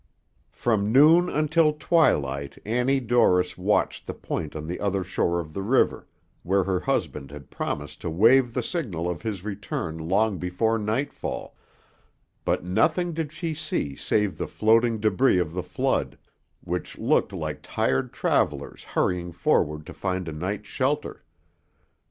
From noon until twilight Annie Dorris watched the point on the other shore of the river, where her husband had promised to wave the signal of his return long before nightfall, but nothing did she see save the floating debris of the flood, which looked like tired travellers hurrying forward to find a night's shelter.